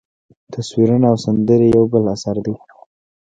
تصویرونه او سندرې یو بل اثر دی.